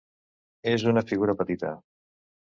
És una figura petita.